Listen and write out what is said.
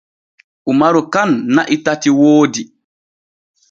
Umaru kan na’i tati woodi.